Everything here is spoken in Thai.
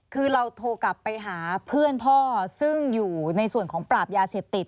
คือเราโทรกลับไปหาเพื่อนพ่อซึ่งอยู่ในส่วนของปราบยาเสพติด